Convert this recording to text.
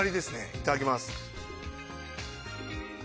いただきます。